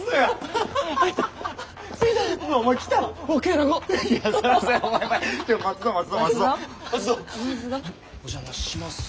お邪魔します。